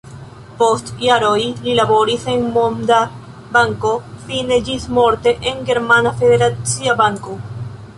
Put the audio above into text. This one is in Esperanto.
Post jaroj li laboris en Monda Banko, fine ĝismorte en Germana Federacia Banko.